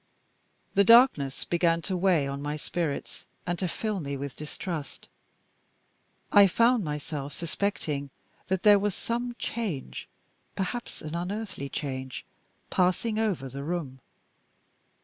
The darkness began to weigh on my spirits, and to fill me with distrust. I found myself suspecting that there was some change perhaps an unearthly change passing over the room.